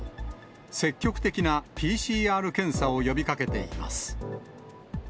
積極的なＰＣＲ検査を呼びかけています。